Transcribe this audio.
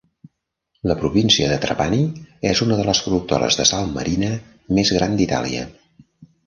La província de Trapani és una de les productores de sal marina més gran d'Itàlia.